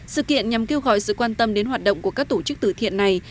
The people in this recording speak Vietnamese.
sự kiện nhằm kêu gọi sự quan tâm đến hoạt động của các tổ chức tử thiện này